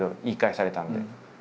言い返されたので。